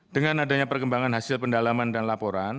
dengan adanya perkembangan hasil pendalaman dan laporan